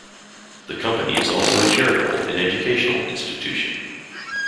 The Company is also a charitable and educational institution.